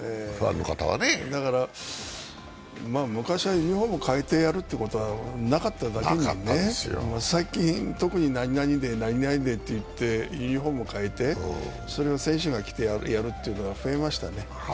だから昔はユニフォーム変えてやるってことはなかっただけに、最近、特に何何デーって言ってユニフォームを変えて、それが選手が着てやることが増えましたね。